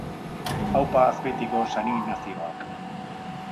Aupa Azpeitiko San Ignazioak